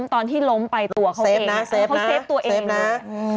ตอนที่ล้มไปตัวเขาเองเขาเซฟตัวเองนะ